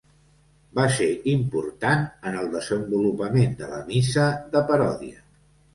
Va ser important en el desenvolupament de la missa de paròdia.